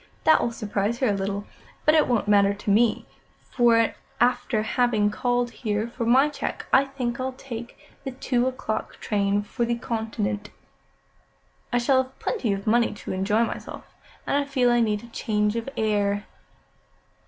That will surprise her a little, but it won't matter to me; for, after having called here for my cheque, I think I'll take the two o'clock train for the Continent. I shall have plenty of money to enjoy myself, and I feel I need a change of air."